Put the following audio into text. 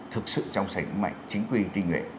thực sự trong sánh mạnh chính quy tinh nguyện